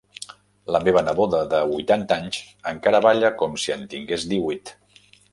La meva neboda de huitanta anys encara balla com si en tingués díhuit.